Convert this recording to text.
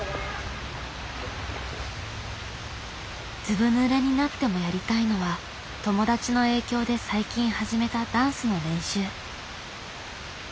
ずぶぬれになってもやりたいのは友達の影響で最近始めたダンスの練習。